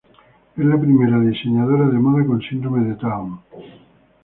Es la primera diseñadora de moda con síndrome de Down.